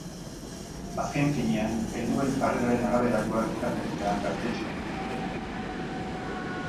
Azken finean, helduen jarreraren araberakoak izaten dira gaztetxoen bizipenak.